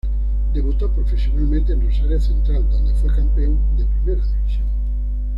Debutó profesionalmente en Rosario Central, donde fue campeón de Primera División.